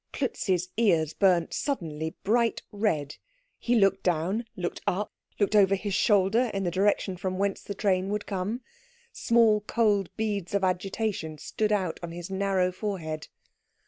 Klutz's ears burnt suddenly bright red. He looked down, looked up, looked over his shoulder in the direction from whence the train would come. Small cold beads of agitation stood out on his narrow forehead.